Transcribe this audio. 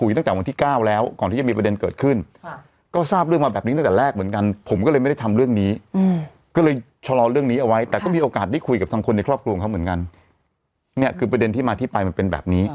อืมมก็เลยเฉาะเรื่องนี้เอาไว้แต่ก็มีโอกาสได้คุยกับทางคนในครอบครัวของเขาเหมือนกันเนี้ยคือประเด็นที่มาที่ไปมันเป็นแบบนี้